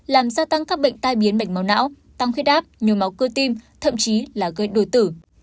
làm gia tăng các bệnh tai biến bệnh máu não tăng khuyết áp nhiều máu cơ tim thậm chí là gây đổi tử